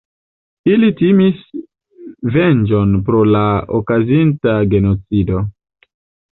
Ili timis venĝon pro la okazinta genocido.